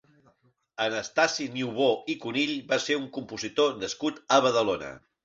Anastasi Niubò i Cunill va ser un compositor nascut a Badalona.